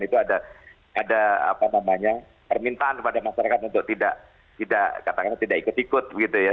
itu ada apa namanya permintaan kepada masyarakat untuk tidak ikut ikut gitu ya